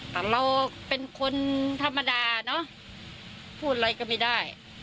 แต่เราเป็นคนธรรมดาเนอะพูดอะไรก็ไม่ได้